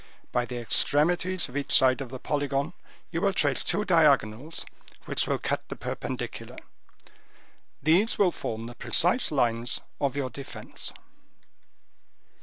By the extremities of each side of the polygon, you will trace two diagonals, which will cut the perpendicular. These will form the precise lines of your defense."